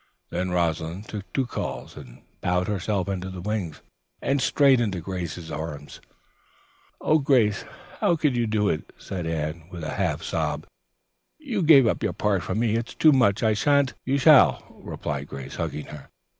Then Rosalind took two calls and bowed herself into the wings and straight into Grace's arms. "O Grace, how could you do it?" said Anne, with a half sob. "You gave up your part for me. It's too much. I shan't " "You shall," replied Grace, hugging her.